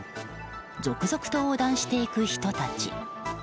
続々と横断していく人たち。